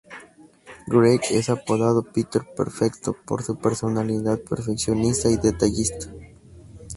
Gregg es apodado "Peter Perfecto" por su personalidad perfeccionista y detallista.